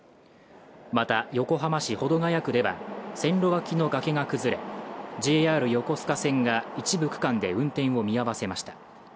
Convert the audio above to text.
また、横浜市保土ケ谷区では、線路脇の崖が崩れ、ＪＲ横須賀線が一部区間で運転を見合わせました。